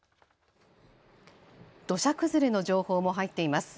土砂崩れの情報も入っています。